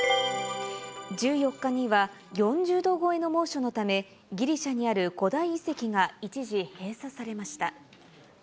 １４日には、４０度超えの猛暑のため、ギリシャにある古代遺跡が一時閉鎖されました。